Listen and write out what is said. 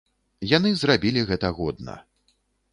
Яны зрабілі гэта годна.